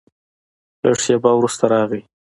لږ شېبه وروسته راغی.